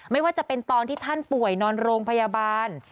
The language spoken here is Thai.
ไม่ว่าจะเป็นตอนที่ท่านป่วยนอนโรงพยาบาล